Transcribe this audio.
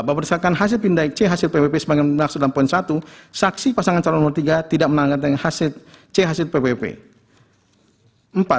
dua bahwa berdasarkan hasil pindai c hasil pppp sebagai menaksud dalam poin satu saksi pasangan calon nomor tiga tidak menanggat dengan hasil c hasil pppp